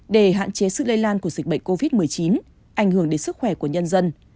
để hạn chế sự lây lan của dịch bệnh covid một mươi chín ảnh hưởng đến sức khỏe của nhân dân